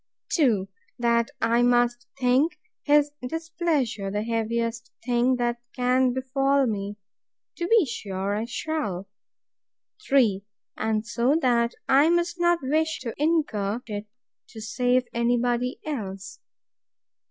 2. That I must think his displeasure the heaviest thing that can befall me. To be sure I shall. 3. And so that I must not wish to incur it, to save any body else.